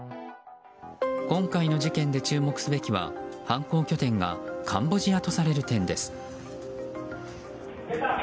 今回の事件で注目すべきは犯行拠点がカンボジアとされる点です。